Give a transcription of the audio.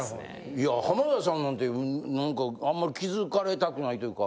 いや浜田さんなんて何かあんま気づかれたくないというか。